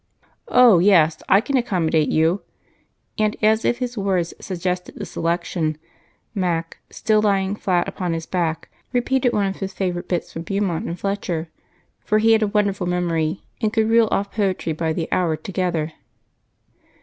"Oh, yes! I can accommodate you." And, as if his words suggested the selection, Mac, still lying flat upon his back, repeated one of his favorite bits from Beaumont and Fletcher, for he had a wonderful memory and could reel off poetry by the hour together.